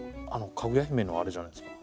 「かぐや姫」のあれじゃないですか？